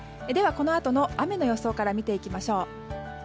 このあとの雨の予想から見ていきましょう。